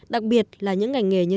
đặc biệt là những ngành nghề như